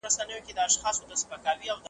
په خپل ژوند یې د ښار مخ نه وو لیدلی .